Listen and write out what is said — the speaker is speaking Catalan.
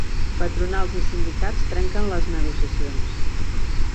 Patronals i sindicats trenquen les negociacions